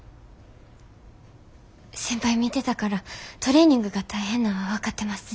先輩見てたからトレーニングが大変なんは分かってます。